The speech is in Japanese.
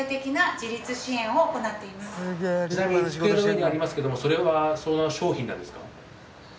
ちなみに机の上にありますけどもそれはその商品なんですか？